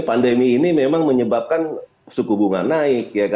pandemi ini memang menyebabkan suku bunga naik